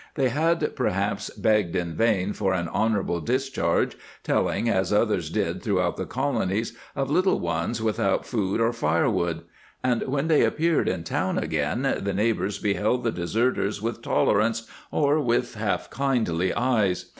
They had perhaps begged in vain for an honorable discharge, telling, as others did throughout the Colonies, of little ones without food or firewood ;^ and when they appeared in town again the neighbors beheld the deserters with tolerance or with half kindly eyes.